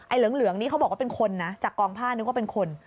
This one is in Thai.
เหลืองนี้เขาบอกว่าเป็นคนนะจากกองผ้านึกว่าเป็นคน